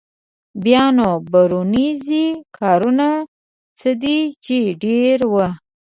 بیا نو برونزي کارونه څه دي چې ډېر وو.